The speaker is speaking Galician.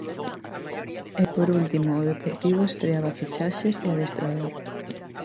E por último, o Deportivo estreaba fichaxes e adestrador.